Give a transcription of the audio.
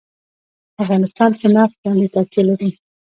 افغانستان په نفت باندې تکیه لري.